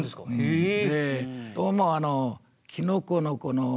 へえ。